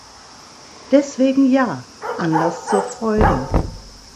Deswegen ja, Anlass zur Freude!